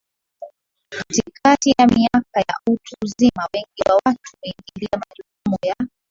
katikati ya miaka ya utu uzima Wengi wa watu huingilia majukumu ya